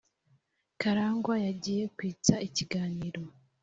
karangwa yagiye kwitsa ikiganiro